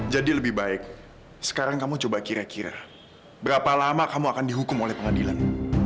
jadi lebih baik sekarang kamu coba kira kira berapa lama kamu akan dihukum oleh pengadilan